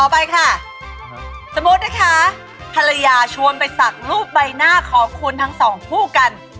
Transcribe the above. ไปค่ะสมมุตินะคะภรรยาชวนไปสักรูปใบหน้าของคุณทั้งสองคู่กัน